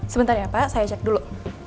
sebentar ya pak saya cek dulu